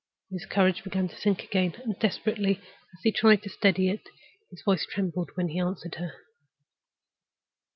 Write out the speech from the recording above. His courage began to sink again; and, desperately as he tried to steady it, his voice trembled when he answered her.